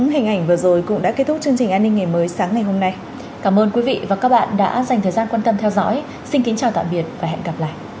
hãy đăng ký kênh để ủng hộ kênh của mình nhé